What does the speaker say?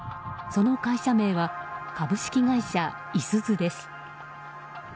その会社名は株式会社いすゞです。